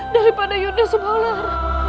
daripada yudha subaular